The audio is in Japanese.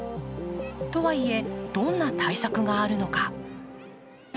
とはいえ、どんな対策があるのか。